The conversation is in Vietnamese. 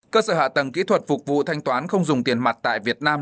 cơ sở hạ tầng kỹ thuật phục vụ thanh toán không dùng tiền mặt tại việt nam